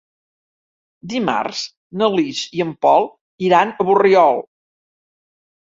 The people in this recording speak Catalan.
Dimarts na Lis i en Pol iran a Borriol.